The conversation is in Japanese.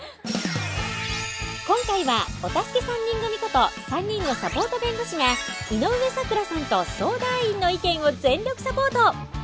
今回はお助け３人組こと３人のサポート弁護士が井上咲楽さんと相談員の意見を全力サポート。